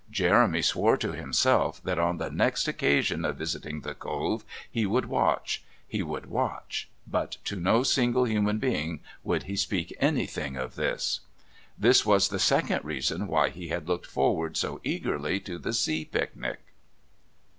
Jeremy swore to himself that on the next occasion of visiting the Cove he would watch... he would watch but to no single human being would he speak anything of this. This was the second reason why he had looked forward so eagerly to the sea picnic.